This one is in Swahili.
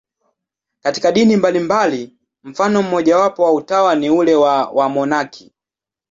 Katika dini mbalimbali, mfano mmojawapo wa utawa ni ule wa wamonaki.